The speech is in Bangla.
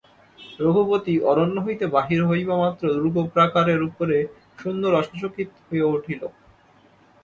রঘুপতি অরণ্য হইতে বাহির হইবামাত্র দুর্গপ্রাকারের উপরে সৈন্যরা সচকিত হইয়া উঠিল।